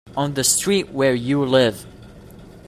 On the street where you live.